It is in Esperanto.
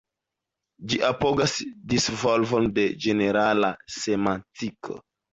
Ĝi apogas disvolvon de ĝenerala semantiko.